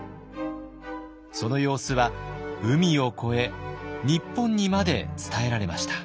その様子は海を越え日本にまで伝えられました。